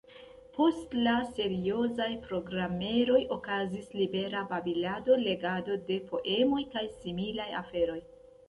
Post la seriozaj programeroj okazis libera babilado, legado de poemoj, kaj similaj aferoj.